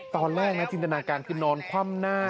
ตอนแรกนะจินตนาการคือนอนคว่ำหน้า